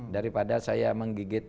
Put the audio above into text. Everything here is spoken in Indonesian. daripada saya menggigit